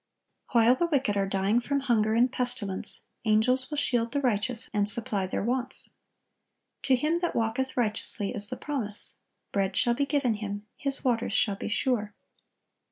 While the wicked are dying from hunger and pestilence, angels will shield the righteous, and supply their wants. To him that "walketh righteously" is the promise, "Bread shall be given him; his waters shall be sure."